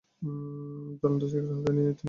জ্বলন্ত সিগারেট হাতে নিয়েই তিনি ঘুমিয়ে পড়লেন।